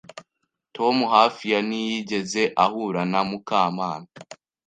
Tom hafi ya ntiyigeze ahura na Mukamana.